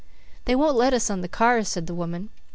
"They won't let us on the cars," said the woman.